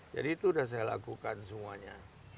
jadi itu sudah saya lakukan semuanya